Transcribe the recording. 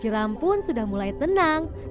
jeram pun sudah mulai tenang